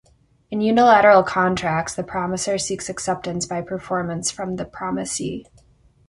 In unilateral contracts, the promisor seeks acceptance by performance from the promisee.